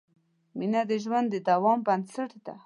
مینه د ژوند د دوام بنسټ ده.